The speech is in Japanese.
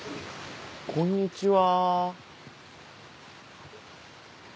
こんにちは。